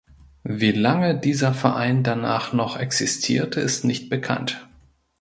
Wie lange dieser Verein danach noch existierte ist nicht bekannt.